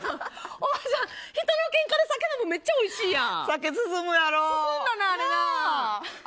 おばさん、人のけんかで酒飲むのめっちゃ、おいしいやん！